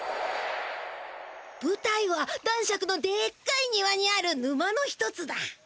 ぶたいは男爵のでっかい庭にあるぬまの一つだ。